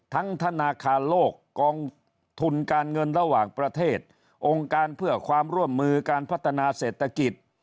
ธนาคารโลกกองทุนการเงินระหว่างประเทศองค์การเพื่อความร่วมมือการพัฒนาเศรษฐกิจ